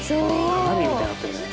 鏡みたいになってるね。